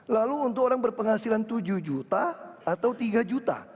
lalu untuk orang berpenghasilan tujuh juta atau tiga juta